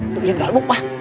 tự nhiên nói bút ba